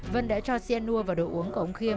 vân đã cho xe nua và đồ uống của ông khiêm